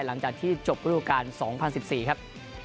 หลังจากที่จบฤดูการ๒๐๑๔ครับ